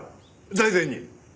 財前に。